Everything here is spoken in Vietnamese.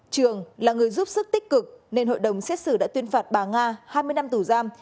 trường là người giúp sức tích cực nên hội đồng xét xử đã tuyên phạt bà nga hai mươi năm tù giam